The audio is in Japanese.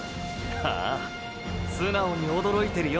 ああ素直に驚いてるよ！！